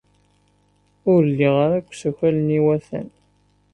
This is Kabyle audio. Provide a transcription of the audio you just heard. Ur lliɣ ara deg usakal-nni iwatan.